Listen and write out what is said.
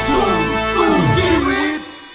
โปรดติดตามตอนต่อไป